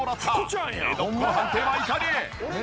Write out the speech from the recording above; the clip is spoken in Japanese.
江戸っ子の判定はいかに！？